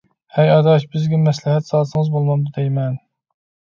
ھەي ئاداش، بىزگە مەسلىھەت سالسىڭىز بولمامدۇ دەيمەن.